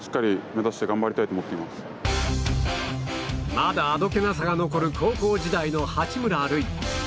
まだあどけなさが残る高校時代の八村塁。